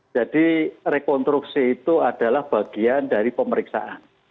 jadi rekonstruksi itu adalah bagian dari pemeriksaan